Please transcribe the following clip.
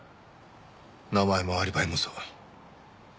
名前もアリバイも嘘。